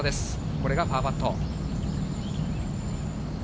これがパーパット。